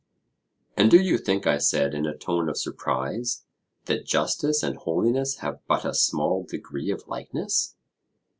And do you think, I said in a tone of surprise, that justice and holiness have but a small degree of likeness?